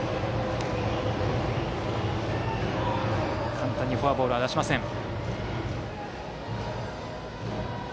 簡単にフォアボールは出しません。